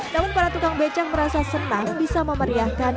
namun para tukang becak merasa senang bisa memeriahkan